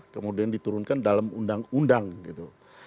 kemudian diturunkan dalam undang undang gitu